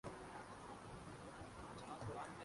میں ابھی تیار ہو تاہوں